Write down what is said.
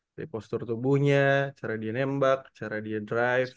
dari postur tubuhnya cara dia nembak cara dia drive